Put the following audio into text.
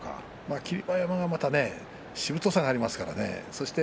霧馬山は、またしぶとさがありますからね。